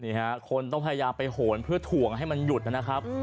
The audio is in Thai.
นี่ฮะคนต้องพยายามไปโหนเพื่อถ่วงให้มันหยุดนะครับ